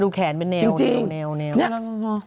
ดูแขนเป็นเนียวเนียวเนียวเนี่ยะจริงจริง